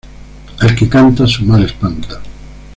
El que canta su mal espanta